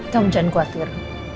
kamu jangan khawatir